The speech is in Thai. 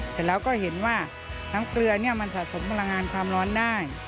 เสร็จแล้วก็เห็นว่าน้ำเกลือเนี่ยมันสะสมพลังงานความร้อนได้